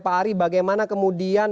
pak ari bagaimana kemudian